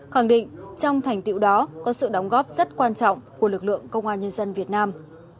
khẳng định trong thành tiệu đó có sự đóng góp rất quan trọng của lực lượng công an nhân dân việt nam